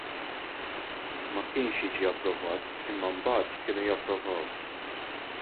Ma kienx jiġi approvat imma mbagħad kienu japprovaw.